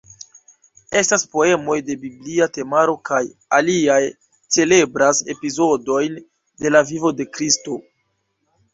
Estas poemoj de biblia temaro kaj aliaj celebras epizodojn de la vivo de Kristo.